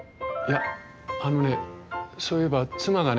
あのねそういえば妻がね